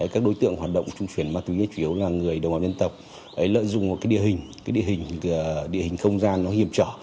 các đối tượng hoạt động vận chuyển ma túy chủ yếu là người đồng bào dân tộc lợi dụng một địa hình địa hình không gian hiểm trở